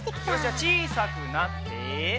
ちいさくなって。